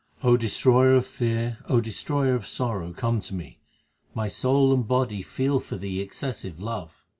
Destroyer of fear, O Destroyer of sorrow, come to me : my soul and body feel for Thee excessive love.